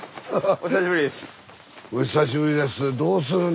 お久しぶりです。